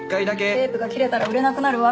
テープが切れたら売れなくなるわ。